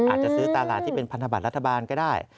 อาจจะซื้อตลาดที่เป็นพันธบัตรรัฐบาลก็ได้